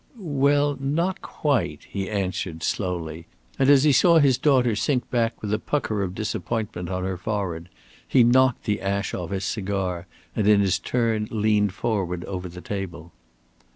"Well, not quite," he answered, slowly; and as he saw his daughter sink back with a pucker of disappointment on her forehead, he knocked the ash off his cigar and in his turn leaned forward over the table.